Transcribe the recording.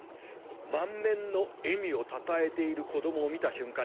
満面の笑みをたたえている子どもを見た瞬間